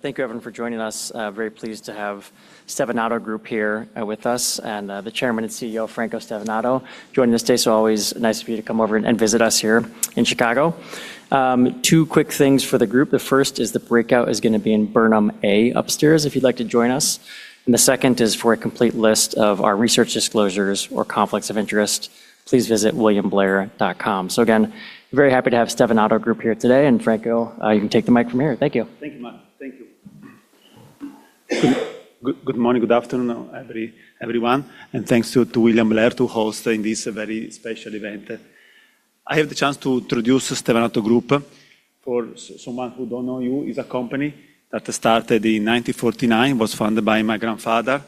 Thank you, everyone, for joining us. Very pleased to have Stevanato Group here with us and the Chairman and CEO, Franco Stevanato, joining us today. It's always nice of you to come over and visit us here in Chicago. Two quick things for the group. The first is the breakout is going to be in Burnham A upstairs, if you'd like to join us. The second is for a complete list of our research disclosures or conflicts of interest, please visit williamblair.com. Again, very happy to have Stevanato Group here today. Franco, you can take the mic from here. Thank you. Thank you, Matt. Thank you. Good morning, good afternoon, everyone, and thanks to William Blair to hosting this very special event. I have the chance to introduce Stevanato Group. For someone who don't know you, it's a company that started in 1949, was founded by my grandfather.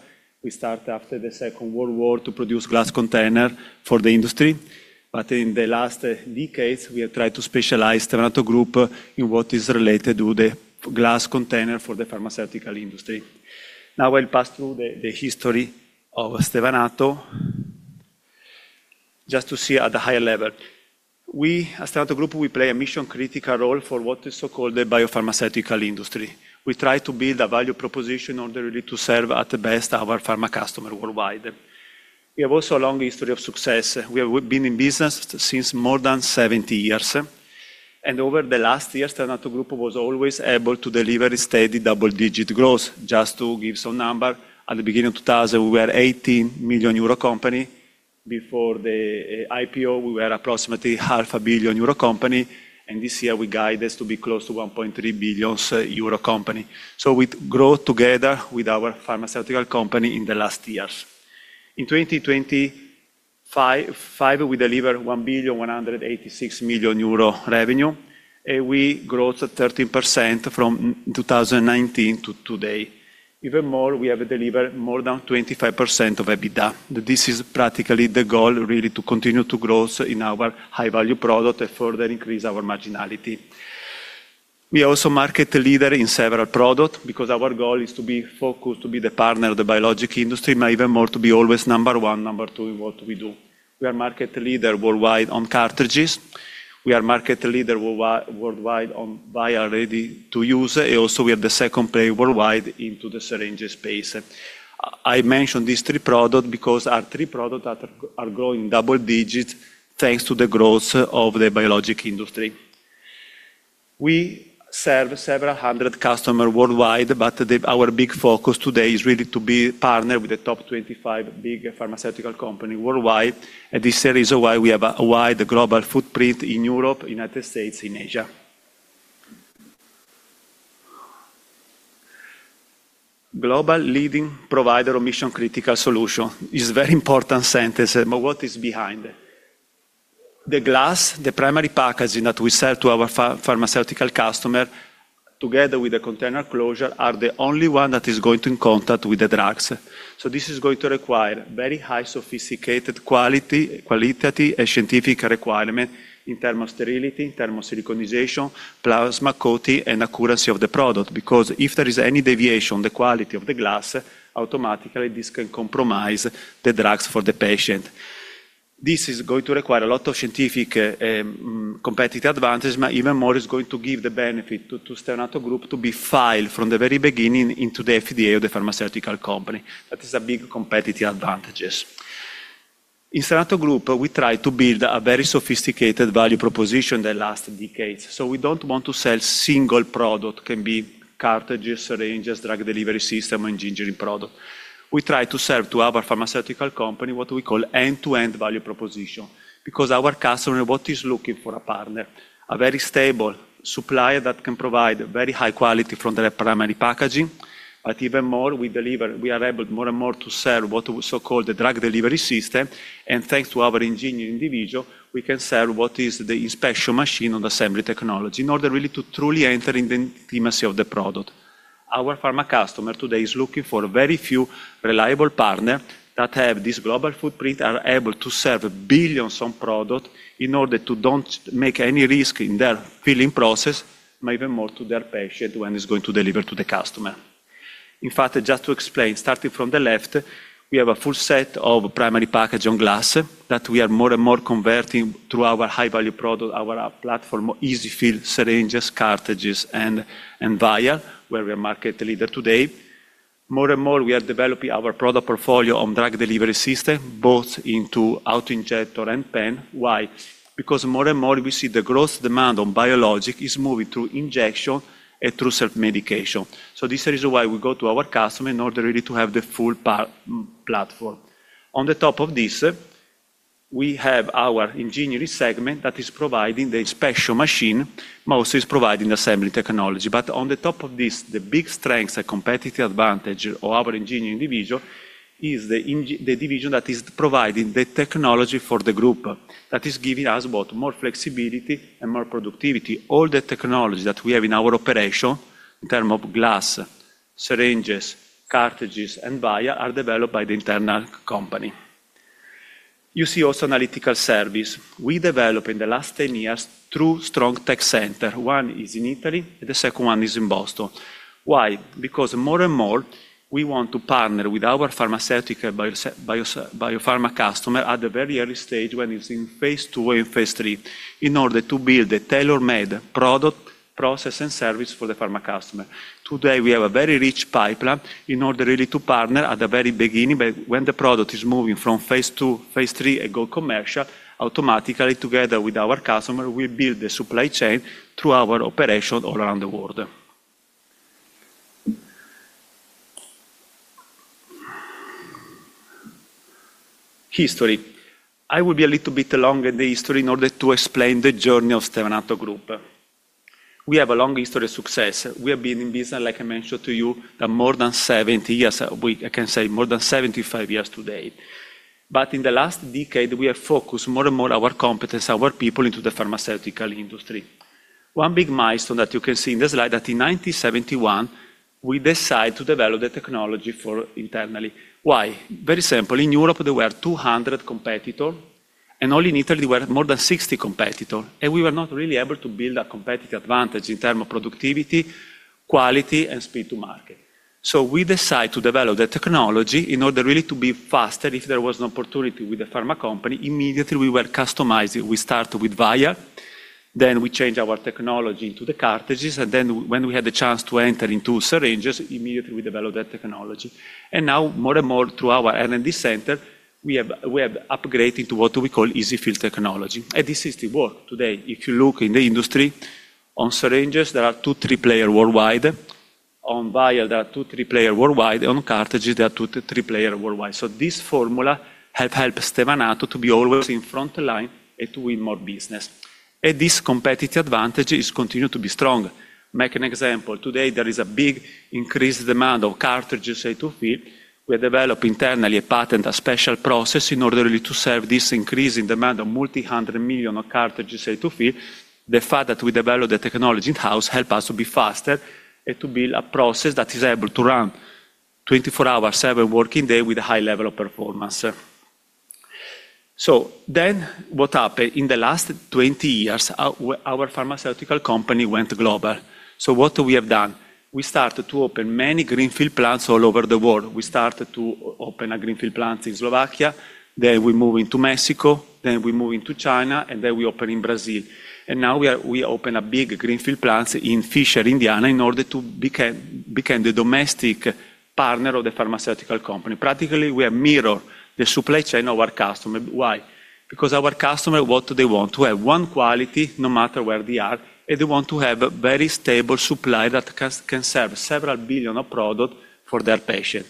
We start after the Second World War to produce glass container for the industry. In the last decades, we have tried to specialize Stevanato Group in what is related to the glass container for the pharmaceutical industry. Now, I'll pass through the history of Stevanato, just to see at a high level. We, as Stevanato Group, we play a mission-critical role for what is so-called the biopharmaceutical industry. We try to build a value proposition in order really to serve at the best our pharma customer worldwide. We have also a long history of success. We have been in business since more than 70 years. Over the last years, Stevanato Group was always able to deliver a steady double-digit growth. Just to give some number, at the beginning of 2000, we were a 18 million euro company. Before the IPO, we were approximately a 500 million euro company, and this year we guided to be close to a 1.3 billion euro company. We grow together with our pharmaceutical company in the last years. In 2025, we deliver 1.186 billion revenue. We grew 13% from 2019 to today. Even more, we have delivered more than 25% of EBITDA. This is practically the goal, really, to continue to grow in our high-value product and further increase our marginality. We also market leader in several product because our goal is to be focused, to be the partner of the biologic industry, but even more, to be always number one, number two in what we do. We are market leader worldwide on cartridges. We are market leader worldwide on vials ready-to-use. Also, we are the second player worldwide into the syringe space. I mentioned these three product because are three product that are growing double digits thanks to the growth of the biologic industry. We serve several hundred customer worldwide, but our big focus today is really to be partner with the top 25 big pharmaceutical company worldwide. This is why we have a wide global footprint in Europe, United States, and in Asia. Global leading provider of mission-critical solution is very important sentence, what is behind? The glass, the primary packaging that we sell to our pharmaceutical customer, together with the container closure, are the only one that is going to in contact with the drugs. This is going to require very high sophisticated quality and scientific requirement in term of sterility, in term of siliconization, plasma coating, and accuracy of the product. If there is any deviation, the quality of the glass, automatically, this can compromise the drugs for the patient. This is going to require a lot of scientific competitive advantage, but even more, it's going to give the benefit to Stevanato Group to be file from the very beginning into the FDA of the pharmaceutical company. That is a big competitive advantages. In Stevanato Group, we try to build a very sophisticated value proposition that last decades. We don't want to sell single product, can be cartridges, syringes, drug delivery system, engineering product. We try to serve to our pharmaceutical company, what we call end-to-end value proposition, because our customer, what is looking for a partner, a very stable supplier that can provide very high quality from the primary packaging. Even more, we are able more and more to sell what so-called the drug delivery system. Thanks to our engineering division, we can sell what is the special machine on assembly technology in order really to truly enter in the intimacy of the product. Our pharma customer today is looking for a very few reliable partner that have this global footprint, are able to serve billions on product in order to don't make any risk in their filling process, but even more to their patient when it's going to deliver to the customer. In fact, just to explain, starting from the left, we have a full set of primary packaging on glass that we are more and more converting through our high-value product, our platform, EZ-fill syringes, cartridges, and vial, where we are market leader today. More and more, we are developing our product portfolio on drug delivery system, both into auto-injector and pen. Why? Because more and more we see the growth demand on biologic is moving through injection and through self-medication. This is why we go to our customer in order really to have the full platform. On the top of this, we have our engineering segment that is providing the special machine, mostly is providing assembly technology. On the top of this, the big strengths and competitive advantage of our engineering division is the division that is providing the technology for the group. That is giving us both more flexibility and more productivity. All the technology that we have in our operation in term of glass, syringes, cartridges, and vial are developed by the internal company. You see also analytical service. We develop in the last 10 years two strong Tech Center. One is in Italy, and the second one is in Boston. Why? Because more and more we want to partner with our pharmaceutical biopharma customer at the very early stage when it's in phase II and phase III in order to build a tailor-made product, process, and service for the pharma customer. Today, we have a very rich pipeline in order really to partner at the very beginning. When the product is moving from phase II, phase III, and go commercial, automatically, together with our customer, we build the supply chain through our operation all around the world. History. I will be a little bit long in the history in order to explain the journey of Stevanato Group. We have a long history of success. We have been in business, like I mentioned to you, more than 70 years. I can say more than 75 years today. In the last decade, we have focused more and more our competence, our people, into the pharmaceutical industry. One big milestone that you can see in the slide that in 1971, we decide to develop the technology for internally. Why? Very simple. In Europe, there were 200 competitors, and only in Italy were more than 60 competitors, and we were not really able to build a competitive advantage in terms of productivity, quality, and speed to market. We decide to develop the technology in order really to be faster. If there was an opportunity with the pharma company, immediately we will customize it. We start with vial, then we change our technology into the cartridges, and then when we had the chance to enter into syringes, immediately we develop that technology. Now more and more through our R&D center, we have upgraded to what we call EZ-fill technology. This is the work today. If you look in the industry, on syringes, there are two, three player worldwide. On vial, there are two, three player worldwide. On cartridges, there are two to three player worldwide. This formula have helped Stevanato to be always in front line and to win more business. This competitive advantage is continue to be strong. Make an example. Today, there is a big increased demand of cartridges ready-to-fill. We develop internally a patent, a special process in order really to serve this increase in demand of multi-hundred million of cartridges ready-to-fill. The fact that we develop the technology in-house help us to be faster and to build a process that is able to run 24 hours, seven working day with a high level of performance. What happened? In the last 20 years, our pharmaceutical company went global. What we have done? We started to open many greenfield plants all over the world. We started to open a greenfield plant in Slovakia. We move into Mexico, then we move into China, we open in Brazil. Now we open a big greenfield plants in Fishers, Indiana, in order to become the domestic partner of the pharmaceutical company. Practically, we are mirror the supply chain of our customer. Why? Our customer, what do they want? To have one quality no matter where they are, and they want to have a very stable supply that can serve several billion of product for their patient.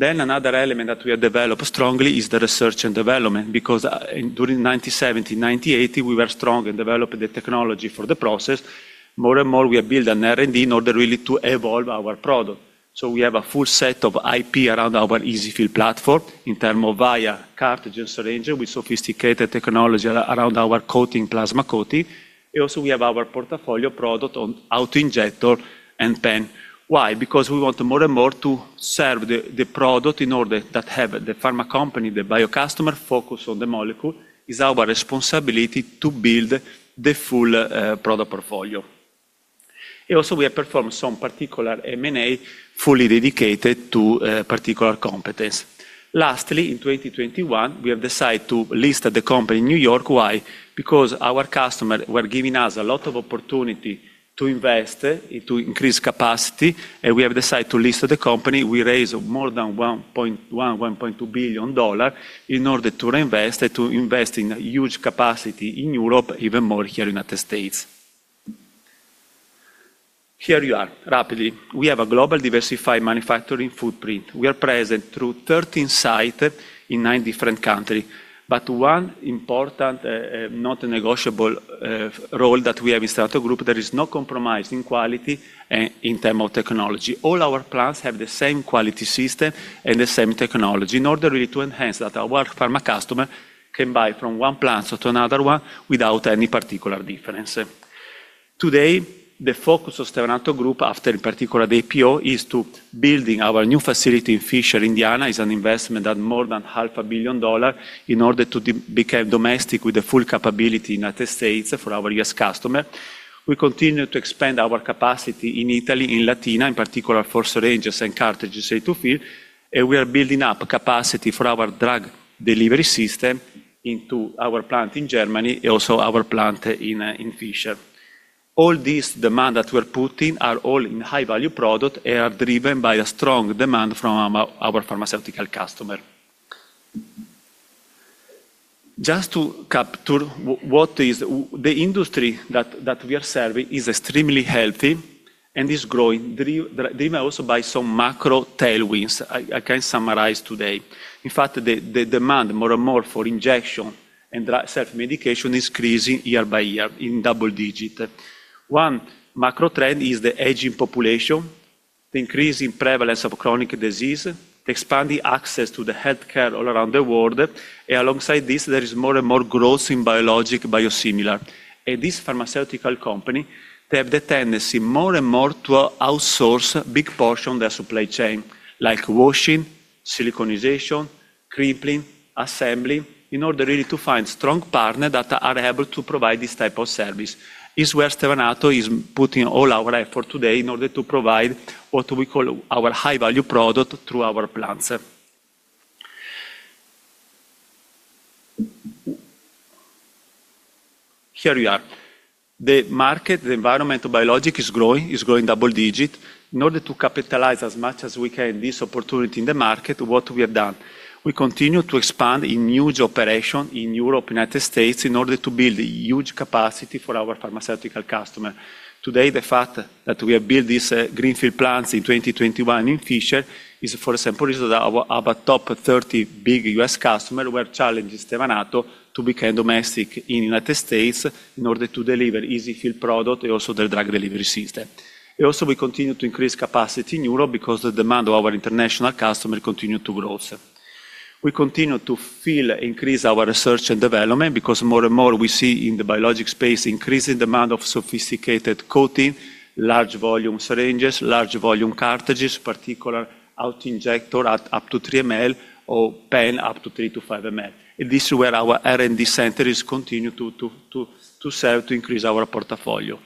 Another element that we have developed strongly is the research and development, because during 1970, 1980, we were strong in developing the technology for the process. More and more, we have built an R&D in order really to evolve our product. We have a full set of IP around our EZ-fill platform in term of vial, cartridge and syringe with sophisticated technology around our coating, plasma coating. We have our portfolio product on auto-injector and pen. Why? We want more and more to serve the product in order that have the pharma company, the bio customer, focus on the molecule. It's our responsibility to build the full product portfolio. We have performed some particular M&A fully dedicated to particular competence. Lastly, in 2021, we have decided to list the company in New York. Why? Because our customers were giving us a lot of opportunities to invest, to increase capacity, and we have decided to list the company. We raised more than $1.1 billion, $1.2 billion in order to reinvest, to invest in huge capacity in Europe, even more here in United States. Here you are. Rapidly. We have a global diversified manufacturing footprint. We are present through 13 sites in nine different countries. One important not negotiable role that we have in Stevanato Group, there is no compromise in quality in terms of technology. All our plants have the same quality system and the same technology in order really to enhance that our pharma customer can buy from one plant to another one without any particular difference. Today, the focus of Stevanato Group, after in particular the IPO, is to build our new facility in Fishers, Indiana. It is an investment of more than EUR 500 million in order to become domestic with the full capability United States for our U.S. customer. We continue to expand our capacity in Italy, in Latina, in particular for syringes and cartridges ready-to-fill. We are building up capacity for our drug delivery system into our plant in Germany, also our plant in Fishers. All this demand that we're putting are all in high-value solutions and are driven by a strong demand from our pharmaceutical customer. Just to capture what is the industry that we are serving is extremely healthy and is growing, they may also by some macro tailwinds. I can summarize today. In fact, the demand more and more for injection and self-medication is increasing year by year in double digit. One, macro trend is the aging population, the increase in prevalence of chronic disease, the expanding access to the healthcare all around the world. Alongside this, there is more and more growth in biologic biosimilar. This pharmaceutical company, they have the tendency more and more to outsource a big portion of their supply chain. Like washing, siliconization, crimping, assembly, in order really to find strong partner that are able to provide this type of service. Is where Stevanato is putting all our effort today in order to provide what we call our high-value product through our plants. Here we are. The market, the environmental biologic, is growing double-digit. In order to capitalize as much as we can this opportunity in the market, what we have done? We continue to expand in huge operation in Europe, United States, in order to build a huge capacity for our pharmaceutical customer. Today, the fact that we have built these greenfield plants in 2021 in Fishers, for example, is our top 30 big U.S. customer were challenging Stevanato to become domestic in United States in order to deliver EZ-fill product and also their drug delivery system. Also, we continue to increase capacity in Europe because the demand of our international customer continue to grow. We continue to increase our research and development because more and more we see in the biologic space increasing demand of sophisticated coating, large volume syringes, large volume cartridges, particular auto-injector at up to 3 ml, or pen up to 3 ml to 5 ml. This is where our R&D center is continuing to serve to increase our portfolio.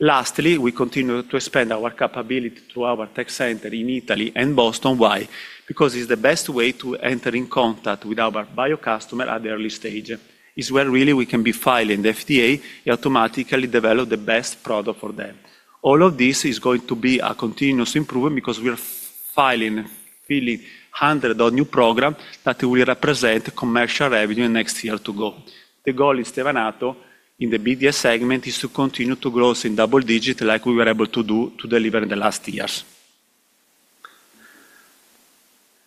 Lastly, we continue to expand our capability to our Tech Center in Italy and Boston. Why? It's the best way to enter in contact with our bio customer at the early stage. It is where really we can be filing the FDA and automatically develop the best product for them. All of this is going to be a continuous improvement because we are filling 100 of new program that will represent commercial revenue next year to go. The goal in Stevanato in the BDS segment is to continue to grow in double-digit like we were able to do to deliver in the last years.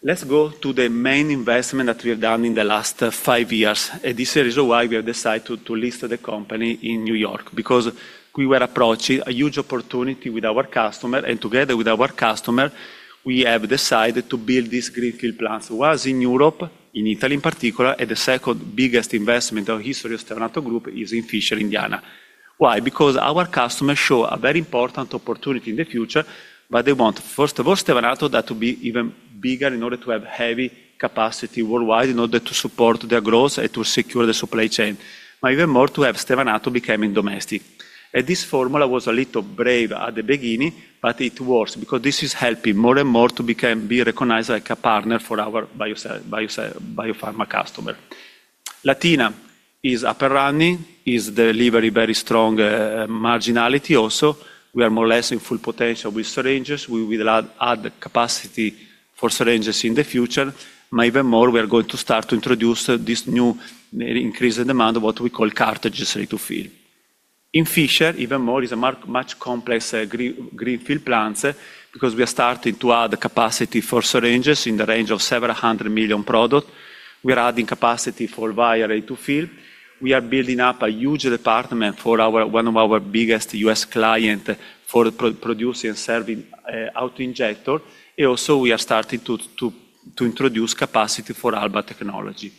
Let's go to the main investment that we have done in the last five years. This is why we have decided to list the company in New York, because we were approaching a huge opportunity with our customer, and together with our customer, we have decided to build these greenfield plants, was in Europe, in Italy in particular, and the second biggest investment of history of Stevanato Group is in Fishers, Indiana. Why? Because our customer show a very important opportunity in the future, but they want, first of all, Stevanato that to be even bigger in order to have heavy capacity worldwide in order to support their growth and to secure the supply chain. Even more, to have Stevanato becoming domestic. This formula was a little brave at the beginning, but it works because this is helping more and more to be recognized like a partner for our biopharma customer. Latina is up and running, is delivering very strong marginality also. We are more or less in full potential with syringes. We will add capacity for syringes in the future. Even more, we are going to start to introduce this new increased demand of what we call cartridges ready-to-fill. In Fishers, even more, is a much complex greenfield plants because we are starting to add capacity for syringes in the range of several hundred million products. We are adding capacity for vial ready-to-fill. We are building up a huge department for one of our biggest U.S. client for producing and selling auto-injector. Also, we are starting to introduce capacity for Alba® Technology.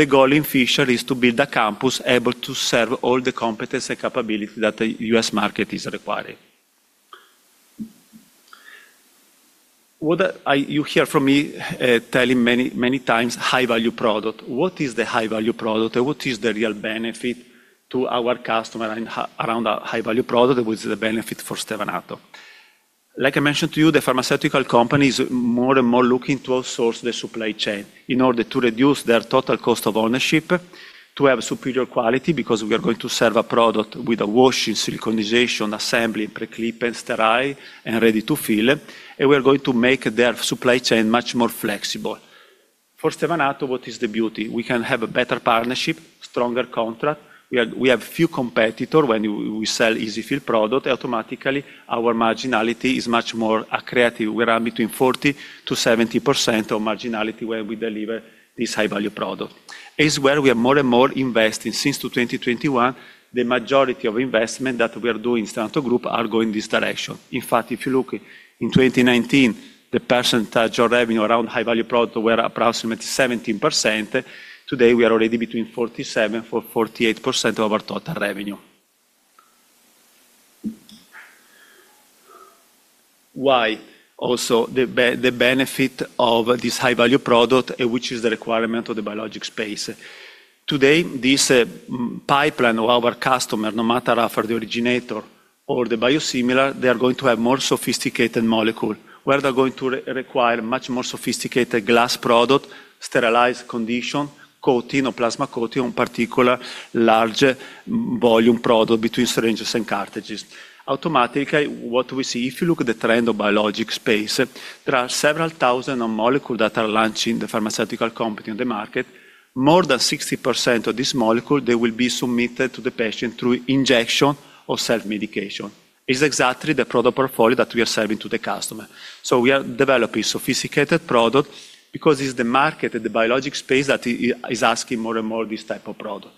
The goal in Fishers is to build a campus able to serve all the competence and capability that the U.S. market is requiring. What you hear from me telling many times high-value product. What is the high-value product? What is the real benefit to our customer around the high-value product? What is the benefit for Stevanato? Like I mentioned to you, the pharmaceutical company is more and more looking to outsource their supply chain in order to reduce their total cost of ownership, to have superior quality because we are going to serve a product with a washing, siliconization, assembly, pre-clip, and sterilize, and ready-to-fill, and we are going to make their supply chain much more flexible. For Stevanato, what is the beauty? We can have a better partnership, stronger contract. We have few competitor when we sell EZ-fill product. Automatically, our marginality is much more accretive. We are between 40%-70% of marginality when we deliver this high-value product. Is where we are more and more investing since to 2021, the majority of investment that we are doing in Stevanato Group are going this direction. In fact, if you look in 2019, the % of revenue around high-value product were approximately 17%. Today, we are already between 47% to 48% of our total revenue. Why also the benefit of this high-value product, which is the requirement of the biologic space. Today, this pipeline of our customer, no matter for the originator or the biosimilar, they are going to have more sophisticated molecule, where they're going to require much more sophisticated glass product, sterilized condition, coating or plasma coating on particular large volume product between syringes and cartridges. Automatically, what we see, if you look at the trend of biologic space, there are several 1,000 of molecule that are launching the pharmaceutical company on the market. More than 60% of this molecule, they will be submitted to the patient through injection or self-medication. It is exactly the product portfolio that we are selling to the customer. We are developing sophisticated product because it's the market and the biologic space that is asking more and more this type of product.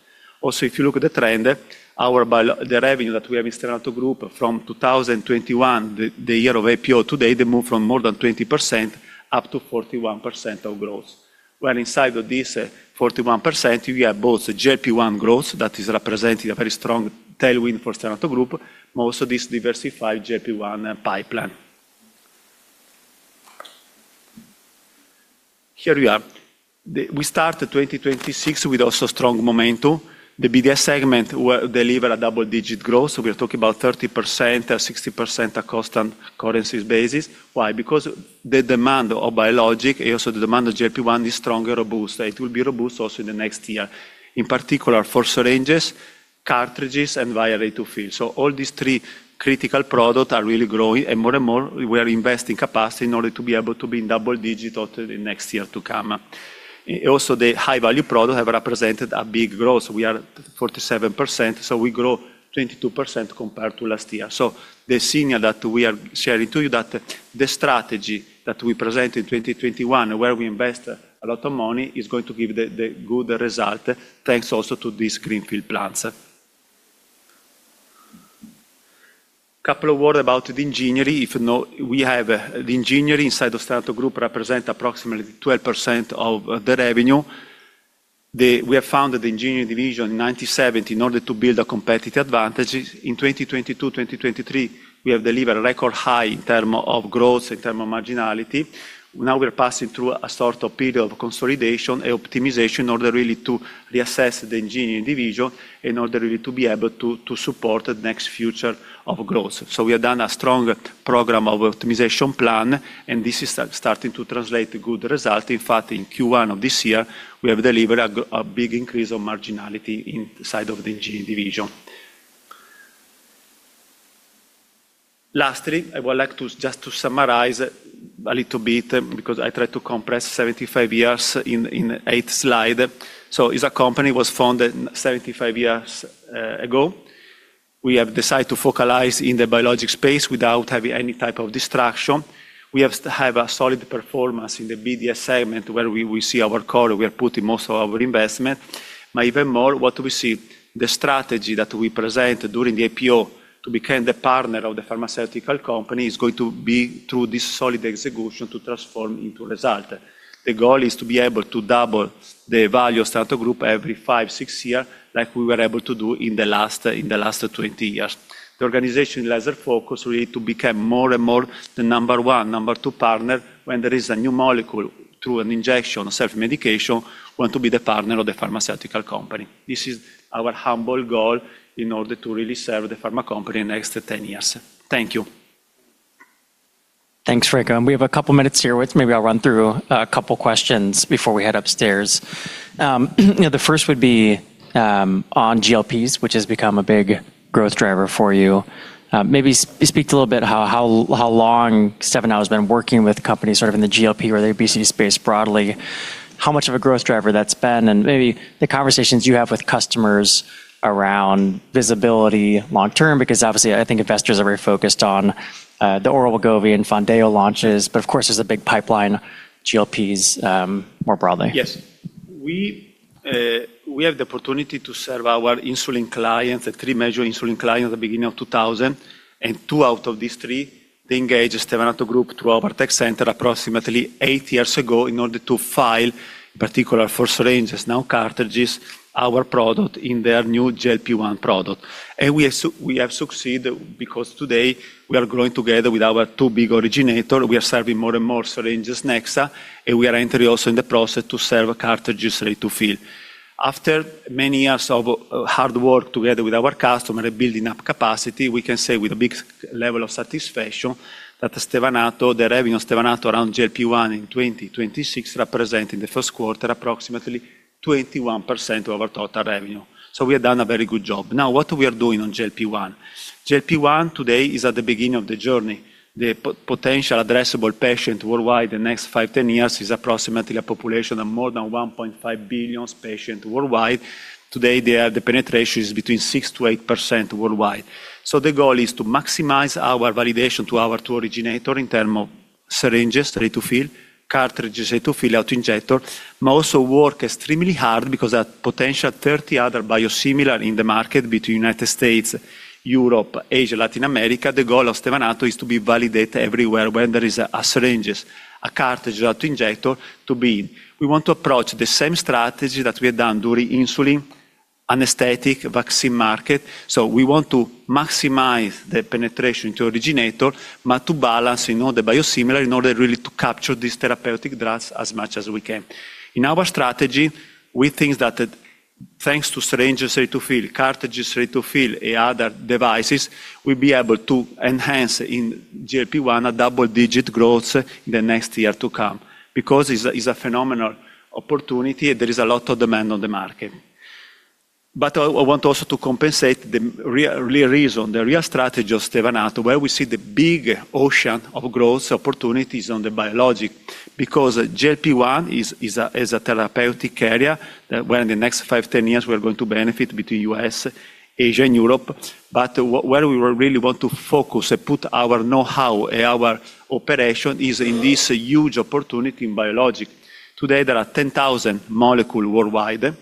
If you look at the trend, the revenue that we have in Stevanato Group from 2021, the year of IPO today, they move from more than 20% up to 41% of growth. Inside of this 41%, we have both the GLP-1 growth, that is representing a very strong tailwind for Stevanato Group, but also this diversified GLP-1 pipeline. Here we are. We start 2026 with also strong momentum. The BDS segment will deliver a double-digit growth, so we are talking about 30% or 60% constant currencies basis. Why? Because the demand of biologic and also the demand of GLP-1 is strong and robust. It will be robust also in the next year, in particular for syringes, cartridges, and vial ready-to-fill. All these three critical product are really growing, and more and more, we are investing capacity in order to be able to be in double-digit also the next year to come. Also, the high-value product have represented a big growth. We are 47%, we grow 22% compared to last year. The signal that we are sharing to you that the strategy that we present in 2021, where we invest a lot of money, is going to give the good result thanks also to these greenfield plans. Couple of word about the engineering. If you know, we have the engineering inside of Stevanato Group represent approximately 12% of the revenue. We have founded the Engineering division in 1997 in order to build a competitive advantage. In 2022, 2023, we have delivered record high in term of growth, in term of marginality. We're passing through a sort of period of consolidation and optimization in order really to reassess the engineering division in order really to be able to support the next future of growth. We have done a strong program of optimization plan, this is starting to translate a good result. In fact, in Q1 of this year, we have delivered a big increase of marginality inside of the engineering division. Lastly, I would like just to summarize a little bit, because I try to compress 75 years in eight slides. Is a company was founded 75 years ago. We have decided to focalize in the biologic space without having any type of distraction. We have a solid performance in the BDS segment, where we will see our core, we are putting most of our investment. Even more, what we see, the strategy that we present during the IPO to become the partner of the pharmaceutical company, is going to be through this solid execution to transform into result. The goal is to be able to double the value of Stevanato Group every five, six year, like we were able to do in the last 20 years. The organization laser focus really to become more and more the number one, number two partner when there is a new molecule through an injection or self-medication, want to be the partner of the pharmaceutical company. This is our humble goal in order to really serve the pharma company the next 10 years. Thank you. Thanks, Franco. We have a couple minutes here. Maybe I'll run through a couple questions before we head upstairs. The first would be on GLP-1, which has become a big growth driver for you. Maybe speak to a little bit how long Stevanato's been working with companies sort of in the GLP or the obesity space broadly, how much of a growth driver that's been, and maybe the conversations you have with customers around visibility long term, because obviously I think investors are very focused on the oral Wegovy and Foundayo launches, but of course, there's a big pipeline, GLP-1 more broadly. Yes. We have the opportunity to serve our insulin clients, the three major insulin clients at the beginning of 2000. Two out of these three, they engage Stevanato Group through our Tech Center approximately eight years ago in order to file, in particular for syringes, now cartridges, our product in their new GLP-1 product. We have succeeded because today we are growing together with our two big originator. We are serving more and more syringes next. We are entering also in the process to serve cartridges ready-to-fill. After many years of hard work together with our customer building up capacity, we can say with a big level of satisfaction that Stevanato, the revenue of Stevanato around GLP-1 in 2026 represent, in the first quarter, approximately 21% of our total revenue. We have done a very good job. What we are doing on GLP-1? GLP-1 today is at the beginning of the journey. The potential addressable patient worldwide the next five, 10 years is approximately a population of more than 1.5 billion patients worldwide. Today, the penetration is between 6%-8% worldwide. The goal is to maximize our validation to our two originators in terms of syringes ready-to-fill, cartridges ready-to-fill, auto-injector, but also work extremely hard because that potential 30 other biosimilars in the market between United States, Europe, Asia, Latin America, the goal of Stevanato is to be validated everywhere where there is a syringe, a cartridge, auto-injector. We want to approach the same strategy that we have done during insulin, anesthetics, vaccine market. We want to maximize the penetration to originators, but to balance in all the biosimilars in order really to capture these therapeutic drugs as much as we can. In our strategy, we think that thanks to syringes ready-to-fill, cartridges ready-to-fill, and other devices, we'll be able to enhance in GLP-1 a double-digit growth in the next year to come. It's a phenomenal opportunity. There is a lot of demand on the market. I want also to compensate the real reason, the real strategy of Stevanato, where we see the big ocean of growth opportunities on the biologic. GLP-1 is a therapeutic area where in the next five, 10 years, we are going to benefit between U.S., Asia, and Europe. Where we really want to focus and put our know-how and our operation is in this huge opportunity in biologic. Today, there are 10,000 molecules worldwide.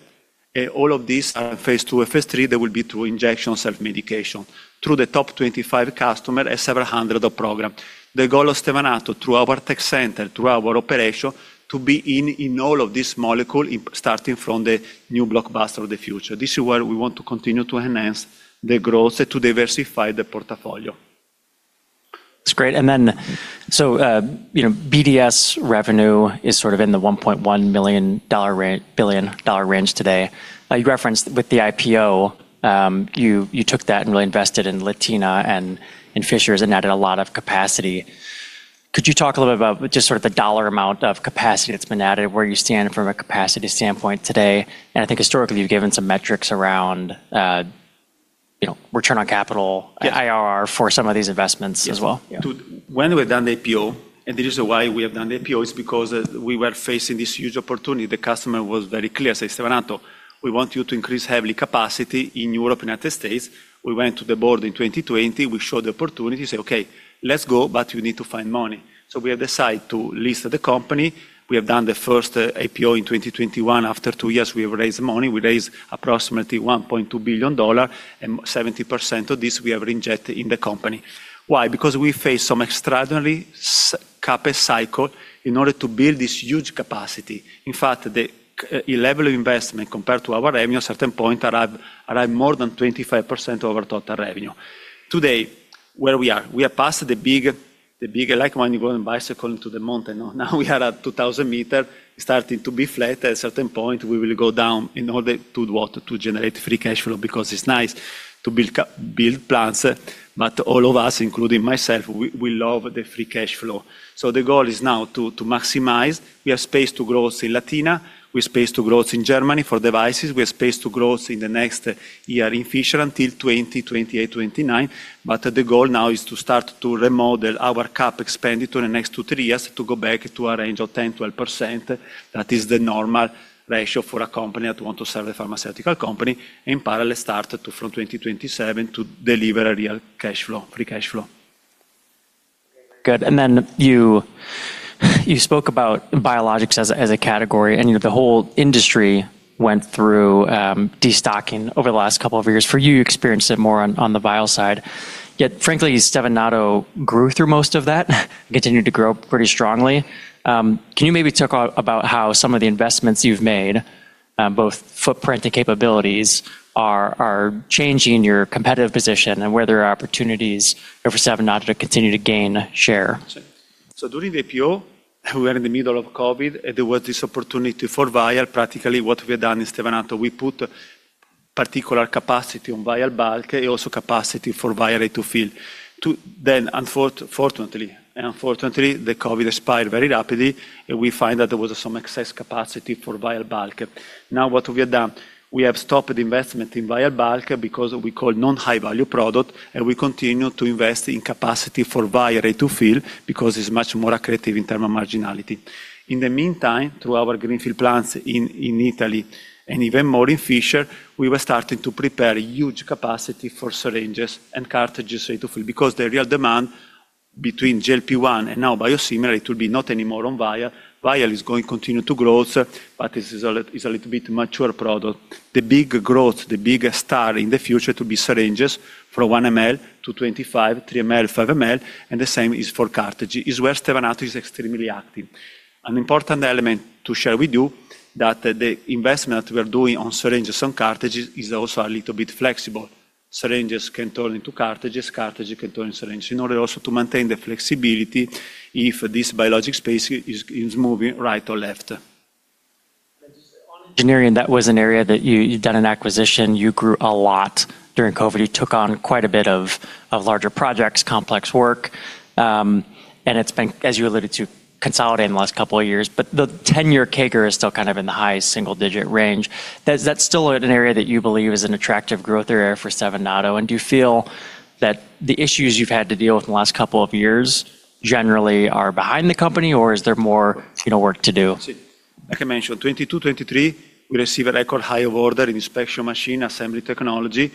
All of these are phase II and phase III. They will be through injection self-medication, through the top 25 customer and several hundred programs. The goal of Stevanato, through our Tech Center, through our operation, to be in all of these molecule, starting from the new blockbuster of the future. This is where we want to continue to enhance the growth to diversify the portfolio. That's great. BDS revenue is sort of in the $1.1 billion range today. You referenced with the IPO, you took that and really invested in Latina and in Fishers and added a lot of capacity. Could you talk a little bit about just sort of the dollar amount of capacity that's been added, where you stand from a capacity standpoint today? I think historically you've given some metrics around return on capital. Yeah IRR for some of these investments as well. Yes. Yeah. When we've done the IPO, the reason why we have done the IPO is because we were facing this huge opportunity. The customer was very clear, say, "Stevanato, we want you to increase heavily capacity in Europe, United States." We went to the board in 2020. We showed the opportunity, say, "Okay, let's go, you need to find money." We have decided to list the company. We have done the first IPO in 2021. After two years, we have raised the money. We raised approximately $1.2 billion. 70% of this we have reinject in the company. Why? Because we face some extraordinary CapEx cycle in order to build this huge capacity. In fact, the level of investment compared to our revenue, certain point arrive more than 25% over total revenue. Today, where we are? We are past the big, like when you go on bicycle into the mountain. Now we are at 2,000 m starting to be flat. At a certain point, we will go down in order to generate free cash flow. It's nice to build plants. All of us, including myself, we love the free cash flow. The goal is now to maximize. We have space to growth in Latina, we have space to growth in Germany for devices, we have space to growth in the next year in Fishers until 2028, 2029. The goal now is to start to remodel our CapEx expenditure the next two, three years to go back to a range of 10%-12%. That is the normal ratio for a company that want to serve a pharmaceutical company. In parallel, start from 2027 to deliver a real free cash flow. Good. Then you spoke about biologics as a category, and the whole industry went through destocking over the last couple of years. For you experienced it more on the vial side. Yet frankly, Stevanato grew through most of that, continued to grow pretty strongly. Can you maybe talk about how some of the investments you've made, both footprint and capabilities, are changing your competitive position and where there are opportunities for Stevanato to continue to gain share? Sure. During the IPO, we were in the middle of COVID, and there was this opportunity for vial. Practically what we have done in Stevanato, we put particular capacity on bulk vials and also capacity for vial ready-to-fill. Fortunately and unfortunately, the COVID expired very rapidly, and we find that there was some excess capacity for bulk vials. What we have done, we have stopped investment in bulk vials because we call non-high-value product, and we continue to invest in capacity for vial ready-to-fill, because it's much more accretive in term of marginality. In the meantime, through our greenfield plants in Italy and even more in Fishers, we were starting to prepare huge capacity for syringes and cartridges ready-to-fill. The real demand between GLP-1 and now biosimilar, it will be not anymore on vial. Vial is going continue to growth, but is a little bit mature product. The big growth, the big star in the future to be syringes from 1 ml to 25, 3 ml, 5 ml, and the same is for cartridge. It is where Stevanato is extremely active. An important element to share with you that the investment we are doing on syringes, on cartridges is also a little bit flexible. Syringes can turn into cartridges, cartridge can turn in syringe, in order also to maintain the flexibility if this biologic space is moving right or left. Just on engineering, that was an area that you've done an acquisition. You grew a lot during COVID. You took on quite a bit of larger projects, complex work. It's been, as you alluded to, consolidating the last couple of years. The 10-year CAGR is still kind of in the high single digit range. Is that still an area that you believe is an attractive growth area for Stevanato? Do you feel that the issues you've had to deal with in the last couple of years generally are behind the company, or is there more work to do? Like I mentioned, 2022, 2023, we receive a record high of order in inspection machine, assembly technology.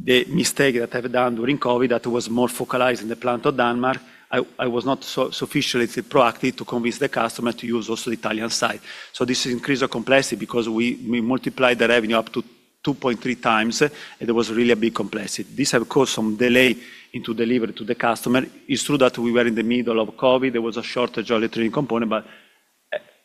The mistake that I've done during COVID, that was more focalized in the plant of Denmark, I was not sufficiently proactive to convince the customer to use also the Italian side. This increase the complexity because we multiply the revenue up to 2.3x and there was really a big complexity. This have caused some delay into delivery to the customer. It's true that we were in the middle of COVID. There was a shortage of electronic component,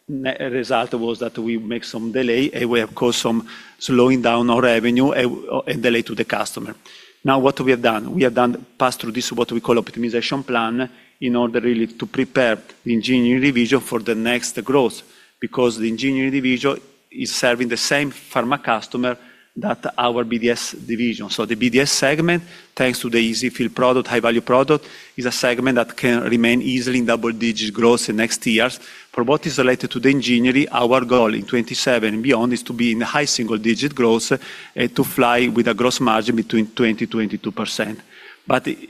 result was that we make some delay, and we have caused some slowing down our revenue and delay to the customer. What we have done? We have done pass through this what we call optimization plan in order really to prepare the engineering division for the next growth. The engineering division is serving the same pharma customer that our BDS Division. The BDS segment, thanks to the EZ-fill product, high-value solutions, is a segment that can remain easily in double-digit growth in next years. For what is related to the engineering, our goal in 2027 and beyond is to be in high single-digit growth and to fly with a gross margin between 20%-22%.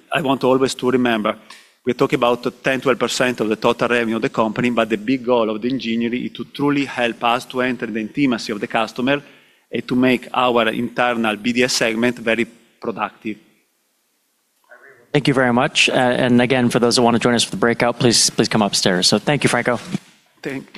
I want always to remember, we're talking about 10%-12% of the total revenue of the company, but the big goal of the engineering is to truly help us to enter the intimacy of the customer and to make our internal BDS segment very productive. Thank you very much. Again, for those who want to join us for the breakout, please come upstairs. Thank you, Franco. Thank you.